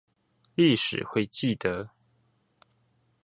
歷史會記得